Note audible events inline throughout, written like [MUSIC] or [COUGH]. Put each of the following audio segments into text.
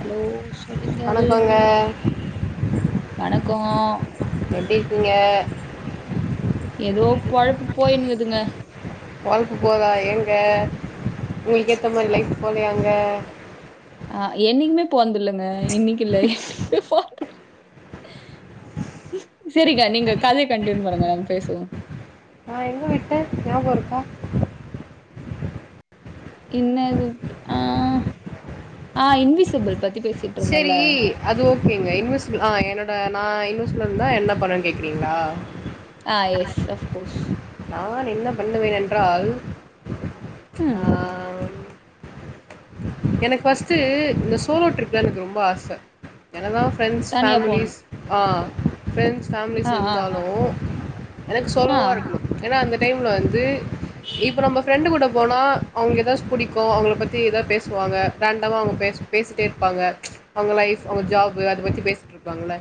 Hello சொல்லுங்கள் வணக்கங்க வணக்கோ நீங்க ஏதோ பொழ்ப்பு போயினுங்குதுங்க வாழ்க போதா ஏங்க உங்களுக்கு ஏத்த மாரி லைஃப் போலயாங்க ஆ என்னைக்குமே போன்தில்லங்க இன்னைக்கு இல்ல என்னைக்குமே போன செரிக்கா நீங்க கதய கன்யூன் பண்ணுங்க நம்ம பேசுவோ ஆ எங்க விட்டே ஞாபகோ இருக்கா இன்னாது ஆ ஆ இன்விசிபிள் பத்தி பேச செரி அது ஓகேங்க இன்விசிபிள் ஆ என்னோட நா இன்விசுபுளா இருந்தா என்ன பண்ணேனு கேக்குறீங்ளா ஆ யெஸ் அஃப்கோஸ் நான் என்ன பண்ணுவேன் என்றால் ம் ஆ எனக்கு ஃபர்ஸ்டு இந்த சோலோ ட்ரிப் தா எனக்கு ரொம்ப ஆச என்னதா ஃப்ரெண்ட்ஸ் தனியா போணு ஃபேமிலிஸ் ஆ ஃப்ரெண்ட்ஸ் ஃபேமிலிஸ் ஆ ஆ இருந்தாலு எனக்கு ஆ சோலோவா இருக்கனு ஏன்னா அந்த டைம்ல வந்து இப்ப நம்ம ஃப்ரண்டு கூட போனா அவுங்க ஏதாச்சு பிடிக்கு அவங்கள பத் திதா பேசுவாங்க ரேண்டமா அவுங்க பேசி பேசிட்டே இருப்பாங்க அவுங்க லைஃப் அவுங்க ஜாப்பு அத பத்தி பேசிட்டு இருப்பாங்களா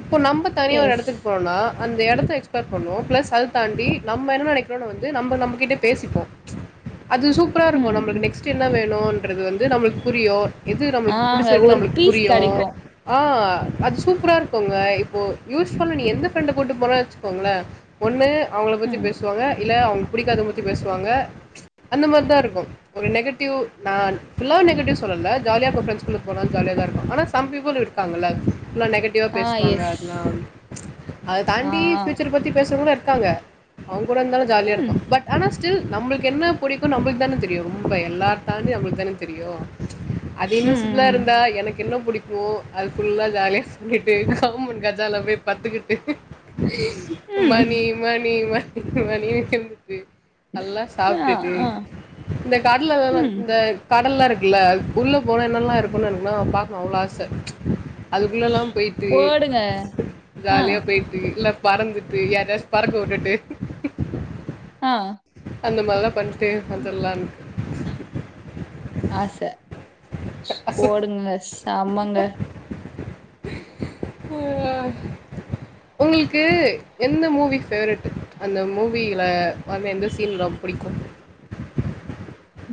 இப்ப நம்ம தனியா ஒரு எஸ் எடத்துக்கு போனா அந்த எடத்த எக்ஸ்ப்ளர் பண்னோ ப்ளஸ் அத தாண்டி நம்ம என்ன நெனக்கிறோன்னு வந்து நம்ப நம்ம கிட்ட பேசிப்போ அது சூப்பரா இருக்கு ம் நம்ளுக்கு நெக்ஸ்ட் என்ன வேணுன்றது வந்து நம்ளுக் புரியு எது நம்முள்க் ஆங்க புடிச்சிருக்குன் ஒரு அவுங்களுக் பீஸ் புரியு கெடைக்கு ஆ அது சூப்பரா இருக்குங்க இப்போ யூஸ்வலா நீ எந்த பேன்ட போட்டு போனா ச்சுக்கோங்ளே ஒண்ணு அவுங்கள பத்தி ம் பேசுவாங்க இல்ல அவுங் புடிக்காதவுங் பத்தி பேசுவாங்க அந்த மாரி தா இருக்கு ஒரு நெகட் டிவ் நா ஃபுல்லா நெகட்டிவ் சொல்லல ஜாலியா போ ஃப்ரெண்ட்ஸ் குள்ள போலா ஜாலிய தா இருக்கு ஆனா சம் பீபுள் இரு பாங்கல்ல உன்னு நெகட் டிவா ஆ பேசுவாங்க எஸ் அதெல்லா அத ஆ தாண்டி ஆ ஃபியூச்சர் பத்தி பேசுறவங்க இருக்காங்க அவுங் கூட இருந்தாலு ஜாலியா ம் இருக்கு பட் ஆனா ஸ்டில் நம்முளுக் என்ன புடிக்கு நம்புளுக்கு தான தெரியு ரொம்ப எல்லா தாண்டி நம்ளுக் தான தெரியும் அது இன்னு சிம்பிளா ம் இருந்தா எனக்கு இன்னு புடிக் ஓ அது ஃபுல்லா ஜாலியா சொல்லிட்டு கவுமண் கஜாலா போய் பட்த்துகிட்டு ம் ம் மணி மணி மணி மணி [UNINTELLIGIBLE] நல்லா ஆ சாப்ட்டுட்டு ஆ இந்த காட்ல்ல என்னென்ன இந்த ம் கடல் லா இருக்குல்ல உள்ள போனா என்னெல்லா இருக்குனு எனக்னா பாக்கனு அவ்ளோ ஆச அதுக்குள்ளலா போய்ட்டு போடுங்க ஆ ஜாலியா போய்ட்டு எல்லா பறந்துட்டு யார்யாச் பறக்க வுட்டுட்டு ஆ அந்த மார்லா பண்ட்டு வந்தர்லான் ஆச அ போடுங்க செம்மங்க போங்க உங்ளுக்கு எந்த மூவி பேவரட் அந்த மூவில அதுல எந்த சீன் ரொம் புடிக்கு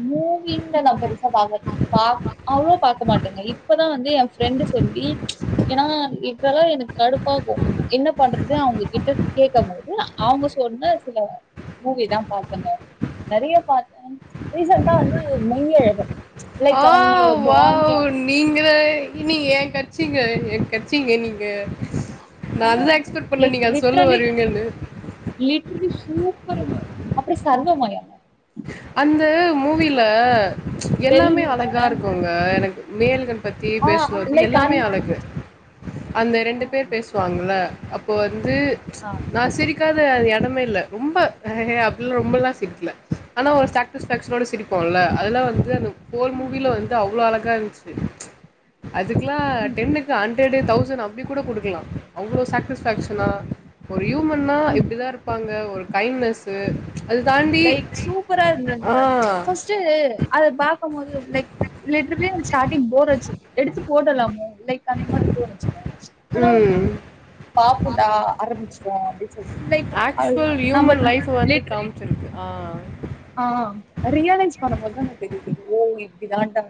மூவின்லா நா பெருசா பாக்க மாட் பாக் அவ்ளோ பாக்க மாட்டேங்க இப் பதா வந்து எ ஃப்ரெண்டு் சொல்லி ஏனா இதெல்லா எனக் கடுப்பாகு என்ன பண்றது அவுங்க கிட்ட கேக்க போது அவுங்க சொன்ன சில மூவி தா பாத்தங்க நெறைய பாத்தே ரீசன்டா வந்து மெய்யழகன் ஆ லைக் அவுங்களோட வாவ் பாண்டிங் நீங்களே இனி எ கச்சிங்க எ கச்சிங்க நீங்க நா அது ஆ தா எக்ஸ்பெக்ட் பண்ணே நீங்க அத சொல்ல வருவீங்கன்னு இட் வில் பீ சூப்பருங்க அப்றோ சர்வமயம் அந்த மூவில எல்லாமே பெலுலுங்க அழகா இருக்குங்க எனக் மெய்யழகன் பத்தி ஆ பேசுவது லைக் எல்லாமே அந் அழகு அந்த ஆ ரெண்டு பேர் பேசுவாங்கில்ல அப்போ வந்து ஆ நா சிரி காத அது எடமே இல்ல ரொம்ப ஹ ஹே அப்பில்லா ரொம்பல்லா சிரிக்ல ஆனா ஒரு சாக்ட்டிஸ் பேக்ஷனோட சிரிபோல்ல அதெல்லா வந்து அந்த வோல் ம் மூவில வந்து அவ்ளோ அழகா இருந்ச்சி அதுக்ல்லா ம் டென்னுக் கு ஹண்ரடு தௌசன் அப்டி கூட குடுக்கலா அவ்ளோ சாட்டிஸ் பேக்க்ஷனா ஒரு யூமன்னா ம் இப்டிதா இருப்பாங்க ஒரு கைண்னசு அது தாண்டி லைக் சூப்பரா இருந்தங்க ஆ சோ சு அத பாக்க மோது லைக் லிட்ர்லி ஆம் ஸ்டாடிங் போர் ஆச்சி எடுத்து போட்டர்லாமோ லைக் அந்த மாரி தோனுச்சுங்க ஆனா வந்து ம். பாப்போடா ஆரம்மிச்ட்டோ அப்டி ஆக்சுவல் யூமன் லைஃப் வந்து லிட் காமிச்சிருக்கு ஆ ஆ ரியலைஸ் பண்ண போது தாங்க தெரியுது ஓ இப்டி தான்டா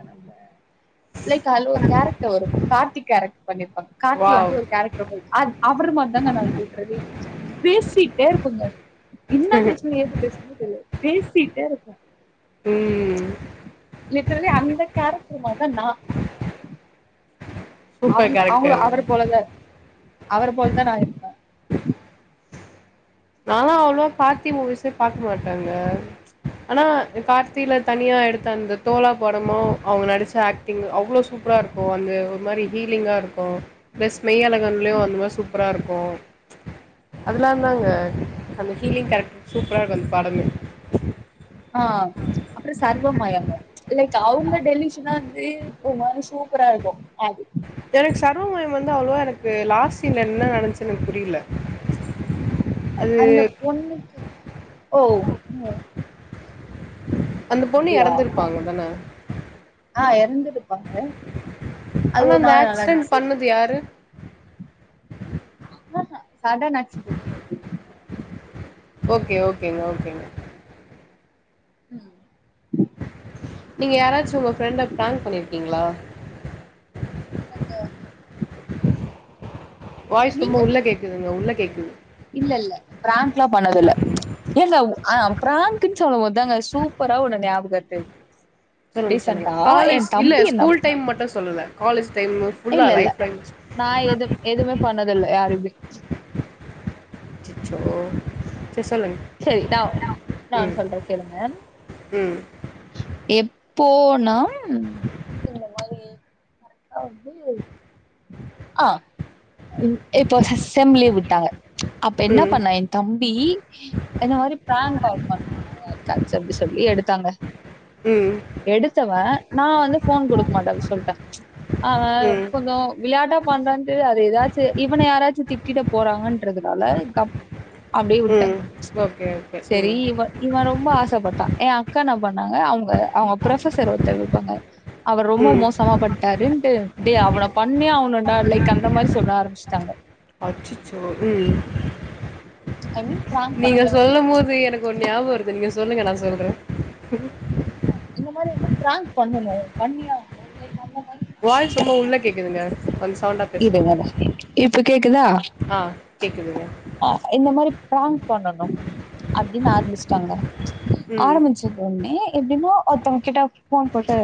லைக் அதுல ஒரு கேரக்ட் வரு கார்த்தி கேரக்ட் பண்ணிருப்பாங்க கார்த்தி வந்து வாவ்! ஒரு கேரக்டர் போயி அத் அவரு மார் தாங்க நா லிட்டரலி பேசிட்டே இருபங்க என்ன பேசனு ஏது பேசனுன் தெரியாது பேசிட்டே இருப்ப ம். லிட்டர்லி அந்த கேரக்டர் மார் தா நா சூப்பர் அவுங்க அவுங்கள கேரக்டருங்க அவர போலதா அவர போல்தா நா இருக்க நாலா அவ்ளோ கார்த்தி மூவிசே பாக்க மாட்டங்க ஆனா கார்த்தில தனியா எடுத்த அந்த தோழா படமு அவுங்க நடிச்ச ஆக் டிங்கு அவ்ளோ சூப்ராருக்கு அந்த ஒரு மாரி ஹீலிங்காருக்கு ப்ளஸ் மெய்யலகன்லியு அந்த மாரி சூப்பராருக்கு அதலாந்தாங்க அந்த ஹீலிங் கேரக்டரு சூப்பராருக் அந்த படமே ஆ அப்ற சர்வமயங்க லைக் அவுங்க டெலிஷ்னா இருந்து ஒரு மாரி சூப்பரா இருக்கு அது எனக்கு சர்வமயம் வந்து அவ்ளவா எனக்கு லாஸ் சீன் ல என்ன நடந்ச்சுன்னு எனக்கு புரில அந்த பொண்ணுக்கு ஓ அந்த பொண்ணு அப்டியா இறந்திருப்பாங்க தான ஆ இறந்துடுப்பாங்க அது ஆனா ஒரு அந்த மாரி நல்லா ஆக்சிடென்ட் இருந்துச்சு பண்ணது யாரு ஆ சதா நாச்சுங்கிருந்தது ஓகே ஓகேமா ஓகேமா ம் நீங்க யாராச்சு உங்க ஃபிரெண்ட பிராங் பண்ணிருகீங்ளா இல்லங்க வாய்ஸ் ரொம்ப நீங்க உள்ள கேக்குதுங்க உள்ள கேக்குது இல்ல இல்ல பிராங்க்லா பண்ணது இல்ல இல்ல இல்ல உ அ பிராங்க்ன் சொல்ல போதாங்க சூப்பரா ஒன்னு ஞாபகம் வருது சொல்லுங்க சொல்லுங்க ரீசன்டா எ காலேஜ் இல்ல தம்பி என்னப் ஸ்கூல் டைம் மட்டு சொல்லுல காலேஜ் டைமு இல்ல இல்ல நா எது எதுமே பண்ணதுல்ல யாருமே அச்சோ செரி சொல்லுங்க சேரி நா நா ம் ஒன்னு சொல்றே கேளுங்க ம் எப்போனா இந்த மாரி அவ்வு எ ஆ இப்போ சிஸ்டம்லே விட்டாங்க அப்ப என்ன ம் பண்ண என் தம்பி இந்த மாரி பிரான்க் கால் பண்ணா கச்ச [UNINTELLIGIBLE] அப்டி எடுத்தாங்க ம் எடுத்தவே நா வந்து ஃபோன் குடுக்க மாட்டே அப்டி சொல்ட்டே ஆ ம் கொஞ்சோ வெளையாட்டா பண்றான்ட்டு அது ஏதாச்சு இவன யாராச்சு திட்டிட போறாங்கன்றதுனால கப் அப்டியே விட்டே ம் ஓகே ஓகே செரி ம் இவ இவ ரொம்ப ஆசப்பட்டா எ அக்கா என்னா பண்ணாங்க அவுங்க அவுங்க ப்ரஃபசர் ஒருத்தர் இருப்பாங்க அவர் ரொம்ப ம் மோசமா பண்ட்டாருன்ட்டு டே அவன பண்ணியே அகனுன்டா லைக் அந்த மாரி சொல்ல ஆரம்பிச்சுடாங்க அச்சச்சோ ம் ஐ மீன் பிராங்க் நீங்க பண்ணி ஆவணு சொல்லும் போது எனக் ஒரு ஞாப வருது நீங்க சொல்லுங்க நா சொல்றே இந்த மாரி வந்து பிராங்க் பண்ணணு பண்ணியே ஆகணு இந்த மாரி [INAUDIBLE] வாய்ஸ் ரொம்ப உள்ள கேக்குதுங்க கொஞ்சோ சவுண்டா இதோ பேசுங்க வரே இப்ப கேக்குதா ஆ கேக்குதுங்க அ இந்த மாரி பிராங்க் பண்ணணு அப்டின் ஆரபிச்சுடாங்க ம் ஆரம்பிச்சதொன்னே எப்டினா ஒருத்தவங்க கிட்ட ஃபோன் போட்டு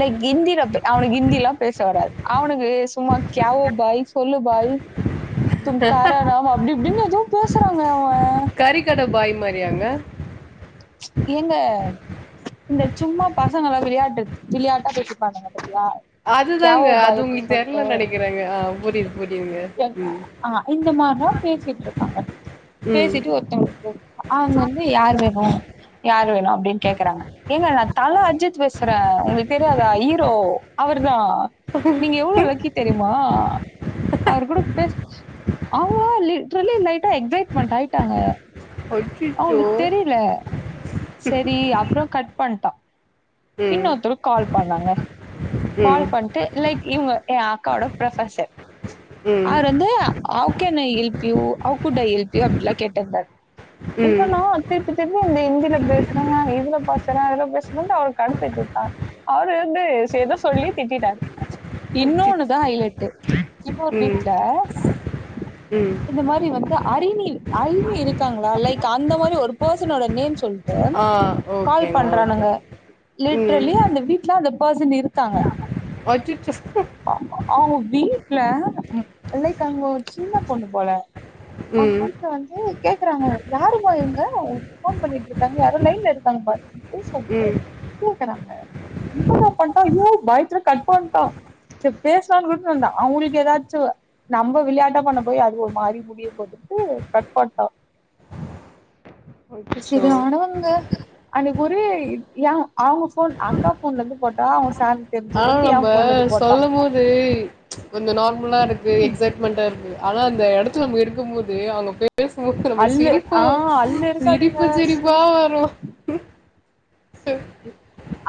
லைக் ஹிந்தில ப் அவனுக்கு ஹிந்திலா பேச வராது அவனுக்கு சும்மா க்யாவோ பாய்ஸ் சொல்லு பாய் தும் காரா நாம் அப்டி இப்டின்னு எதோ பேசறாங்க கட பாய் மாறியாங்க ஏங்க இந்த சும்மா பசங்களா விளையாட்டு விளையாட்டா பேசிருப்பாங்கங்க பத்தியா அதுதாங்க அது உங்ளுக்கு தெர்லன் நெனைக்கிரேங்க ஆ புரியது புரியுதுங்க என் ம் ஆ இந்த மாரிதா பேசிட்டு இருக்காங்க ம் பேசிட்டு ஒருத்தங்களுக்கு அவுங்க வந்து யார் வேணு யார் வேணு அப்டின் கேக்குறாங்க ஏங்க நா தல அஜித் பேசுறே உங்ளுக்கு தெரியாதா ஈரோ அவருதா நீங்க எவ்ளோ லக்கி தெரியுமா அவரு கூட பேச அவங்கல்ல லிட்ரலி லைட்டா எக்ஸைட்மென்ட் ஆயிட்டாங்க அச்சச்சோ அவங்களுக்கு தெரியல சரி அப்பற கட் பண்ட்டா ம் இன்னொருத்தருக் கால் பண்ணாங்க கால் ம் பண் ட்டு லைக் இவுங்க எ அக்காவோட ப்ரபசர் ம் அவரு வந்து how can I help you how could I help you அப்டிலா கேட்டாங்க ம் இப்பன்னா திருப்பி திருப்பி இந்த ஹிந்தில பேசுனா இதுல பாசற அதுல பேசறன்ட்டு அவள கடுப்பேத்திவுட்டா அவரு வந்து சேத சொல்லி திட்டிட்டாரு அச்ச இன்னொனுதா ஐலைட்டு இன்னொரு ம் வீட்ல ம் இந்த மாரி வந்து அரிணி இரு அரிணி இருக்காங்ளா லைக் அந்த மாரி ஒரு பர்சனோட நேம் சொல் ட்டு ஆ கால் ஓகேங்க ஓகே பண்றானுங்க ம் லிட்ரலி அந்த வீட்ல அந்த பர்சன் இருக்காங்க அச்சச்சோ அ அவுங்க வீட்ல ம் லைக் அங்க ஓர் சின்ன பொண்ணு போல அவங்க ம் வீட்ல வந்து கேக்குறாங்க யாருமா இவங்க ஒனக்கு ஃபோன் பண்ணிட்ரு காங்க யாரோ லைன்ல இருக்காங்க பாரு சொல்லிட்டு ம் கேக்குறாங்க இவ என்ன பண்ணிட்டா யோ பயத்ல கட் பண்ட்டா ச பேசலான்னு விட்டு வந்தா அவங்களுக்கு ஏதாச்சு நம்ம விளையாட்டா பண்ண போய் அது ஒரு மாறி முடியு போதுட்டு கட் பண்ட்டோ [INAUDIBLE] இது ஆனவங்க அன்னைக்கு ஒரு ஏ அவங்க ஃபோன் அக்கா ஃபோன்லருந்து போட்டா அவங்க ச ஆனாலு நம்ம சொல்லும் போது கொஞ்ச நார்மலா இருக்கு ம் எக்ஸைட்மெண்ட்டா இருக்கு ஆனா அந்த எடத்துல நம்ம இருக்கும் போது அவங்க பே பேசும்போது நமக்கு அல்லு சிரிப்பு ஆ அல்லு இருக்காதுங்க சிரிப்பு சிரிப்பா சும்மா வரு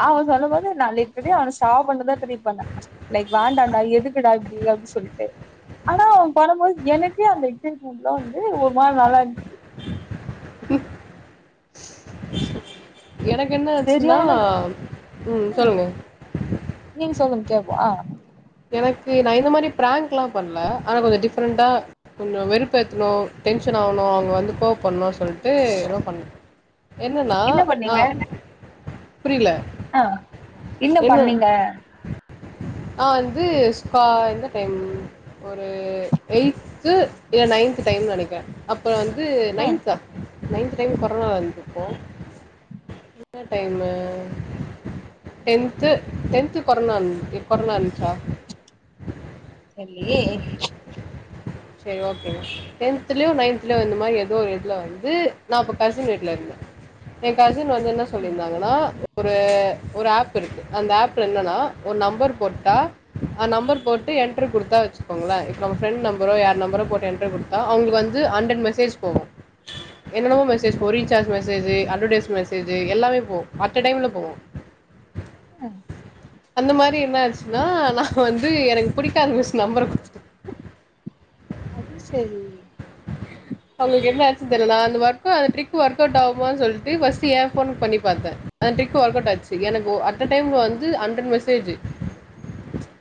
அவ சொல்லும்போது நா லிட்ரலி அவன சா மட்டுந்தா தெரியப்பன்ன லைக் வாண்டாண்டா எதுக்குடா இப்டி அப்டின்னு சொல்லிட்டு ஆனா அவ பண்ணபோது எனக்கே அந்த எக்ஸைட்மெண்ட்லா வந்து ஒரு மாரி நல்லாருந்துச்சு ம் எனக்கு என்ன ஆச்சுன்னா சரியான ம் சொல்லுங்க நீங்க சொல்லுங்க கேக்வா எனக்கு நா இந்த மாரி பிராங்க்லாம் பண்ல ஆனா கொஞ்ச டிஃப்ரெண்ட்டா கொஞ்ஜோ வெறுப்பேத்துணு டென்ஷன் ஆவணு அவங்க வந்து கோவப்பனு சொல்ட்டு எதோ பண்ண என்னன்னா என்ன நா பண்ணீங்க புரியல ஆ என்ன பண்ணீங்க நா வந்து ஸ்கா எந்த டைம் ஒரு எயித்து இல்ல நைன்த் டைம்னு நெனைக்கிறே அப்ற வந்து ம் நைன்தா நைன்து டைம் கொரோனா வந்துருக்கு என்ன time [INAUDIBLE] tenth tenth corona corona இருந்துச்சா தெர்லயே [INAUDIBLE] சரி ஓக்கேங்க டெந்த்லயோ நைந்த்லயோ இந்த மாரி எதோ ஒரு இதுல வந்து நா அப்ப கசின் வீட்ல இருந்தே ஏ கசின் வந்து என்ன சொல்லிருந்தாங்கன்னா ஒரு ஒரு ஆப் இருக்கு அந்த ஆப்ல என்னன்னா ஒரு நம்பர் போட்டா ஆ நம்பர் போட்டு என்ட்ரி குடிடுத்தா வச்சுக்கோங்களே இப்ப நம்ம ஃப்ரெண்ட் நம்பரோ யார் நம்பரோ போட்டு என்ட்ரி குடுத் அவங்களுக்கு வந்து ஹண்ட்ரட் மெசேஜ் போகு என்னவோ மெசேஜ் போ recharge message message advertisement message எல்லாமே போகு அட்டடைம்ல போவு ம் அந்த மாரி என்ன ஆச்சு னா நா வந்து எனக்கு புடிக்காத மிஸ் நம்பற அது சேரி அவங்களுக்கு என்ன ஆச்சுன்னு தெரில நா அந்த வர்க்கு அந்த ட்ரிக்கு ஒர்க்கவுட் ஆகுமான்னு சொல்லிட்டு ஃபர்ஸ்ட் ஏ போனுக்கு பண்ணி பாத்தே அந்த ட்ரிக் ஒர்க் அவுட் ஆச்சு எனக்கு அட்ட டைம்ல வந்து ஹண்ட்ரட் மெசேஜு [INAUDIBLE]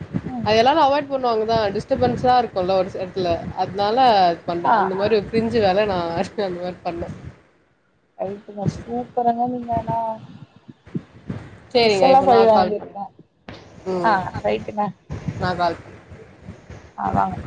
அத எல்லாரு அவாய்ட் பண்ணுவாங்கதா டிஸ்டபன்ஸ்ஸா இருக்கும்ல ஒரு சைட்ல அதனால பண்ணே ஆ அந்த மாரி ஒரு க்ரிஞ்சு வேல நானதா அந்த மாரி பண்ணே ரைட்டுமா சூப்பருங்க நீங்கனா மிஸ் சரிங்க எல்லா இப்போ பழி நான் கால் பண்ணேன் வாங்கிருக்கே ஆ ரைட்டுங்க நா கால் அதாங்க